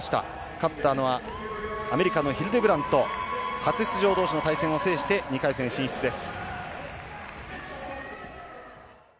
勝ったのはアメリカのヒルデブラント初出場同士の対戦を制して２回戦進出です。